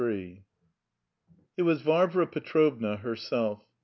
III It was Varvara Petrovna herself.